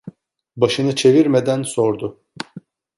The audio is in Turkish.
Başını çevirmeden sordu.